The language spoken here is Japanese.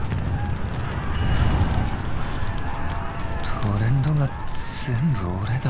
トレンドが全部俺だ。